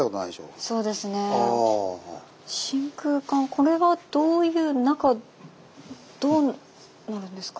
真空管これはどういう中どうなるんですか？